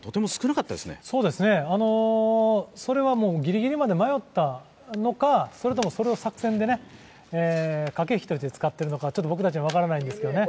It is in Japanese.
そうですね、それはギリギリまで迷ったのか、それとも、それも作戦で駆け引きとして使っているのか僕たちには分からないんですけどね。